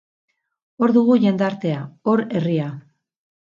Hor dugu jendartea, hor herria.